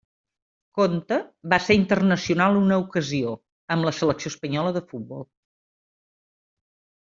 Conte va ser internacional una ocasió amb la selecció espanyola de futbol.